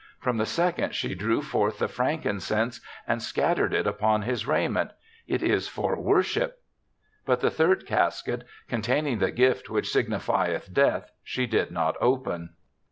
From the second she drew forth the frankincense and scattered it upon his raiment. "It is for Worship." But the third cas ket, containing the gift which signi fieth Death, she did not open.